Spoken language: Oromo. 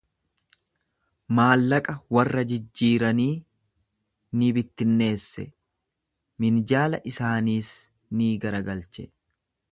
Maallaqa warra jijjiiranii ni bittinneesse, minjaala isaaniis ni garagalche.